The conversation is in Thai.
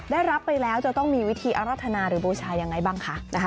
ได้รับไปแล้วจะต้องมีวิธีอรรถนาหรือบูชายังไงบ้างคะ